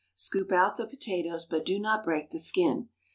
Scoop out the potatoes, but do not break the skin.